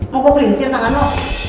mau gue pelintir tangan lo